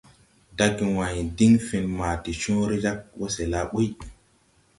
Dage wãy tin fen ma de cõõre jag wɔsɛla ɓuy.